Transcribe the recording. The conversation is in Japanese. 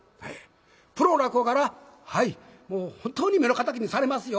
プロの落語家からはいもう本当に目の敵にされますよ。